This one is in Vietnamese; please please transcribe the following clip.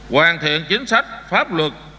hoàn thiện chính sách pháp luật